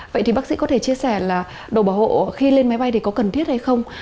vậy thì bác sĩ có thể chia sẻ là đồ bảo hộ khi lên máy bay thì có cần thiết hay không